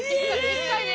１回で？